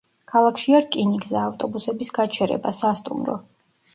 ქალაქშია რკინიგზა, ავტობუსების გაჩერება, სასტუმრო.